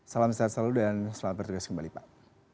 salam sehat selalu dan selamat bertugas kembali pak